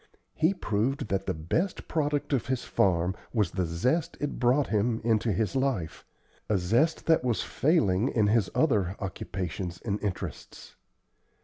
He proved that the best product of his farm was the zest it brought him into his life a zest that was failing in his other occupations and interests.